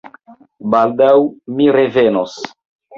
Baldaŭ mi revenos.